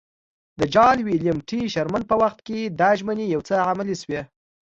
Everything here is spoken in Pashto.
د جال ویلیم ټي شرمن په وخت کې دا ژمنې یو څه عملي شوې.